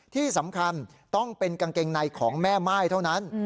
ที่สำคัญต้องเป็นกางเกงในของแม่ม่ายเท่านั้น